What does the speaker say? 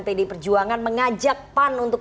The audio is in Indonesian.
pd perjuangan mengajak pan untuk